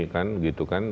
kan gitu kan